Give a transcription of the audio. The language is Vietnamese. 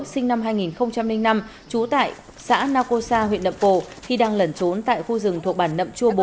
sinh năm hai nghìn năm trú tại xã naco sa huyện nậm pồ khi đang lẩn trốn tại khu rừng thuộc bản nậm chua bốn